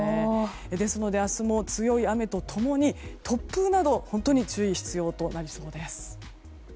ですので、明日も強い雨と共に突風など本当に注意が必要となりそうです。